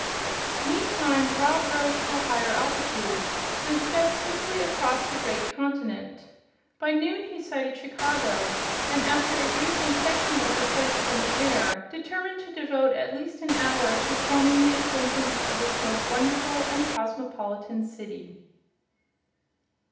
Meantime Rob rose to a higher altitude, and sped swiftly across the great continent. By noon he sighted Chicago, and after a brief inspection of the place from the air determined to devote at least an hour to forming the acquaintance of this most wonderful and cosmopolitan city.